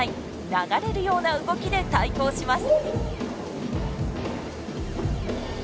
流れるような動きで対抗します。